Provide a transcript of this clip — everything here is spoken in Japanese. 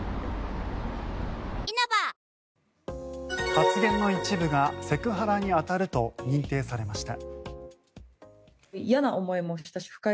発言の一部がセクハラに当たると認定されました。